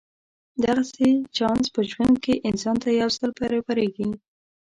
دغسې چانس په ژوند کې انسان ته یو ځل برابرېږي.